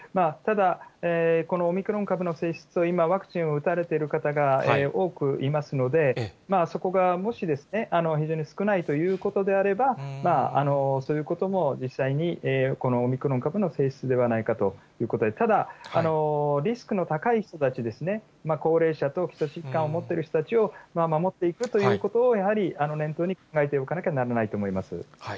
ただ、このオミクロン株の性質を、今、ワクチンを打たれてる方が多くいますので、そこがもし、非常に少ないということであれば、そういうことも実際に、このオミクロン株の性質ではないかということで、ただ、リスクの高い人たちですね、高齢者と基礎疾患を持っている人たちを守っていくということを、やはり念頭に考えておかなきゃならないと思います。